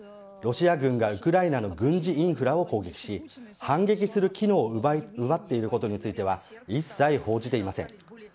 ロシア軍がウクライナの軍事インフラを包囲し反撃する機能を奪っていることについては一切報じていません。